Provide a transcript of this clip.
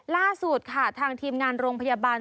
ล่าสุดค่ะทางทีมงานโรงพยาบาล